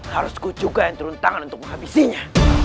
harusku juga yang turun tangan untuk menghabisinya